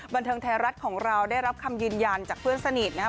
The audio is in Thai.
บันเทิงไทยรัฐของเราได้รับคำยืนยันจากเพื่อนสนิทนะครับ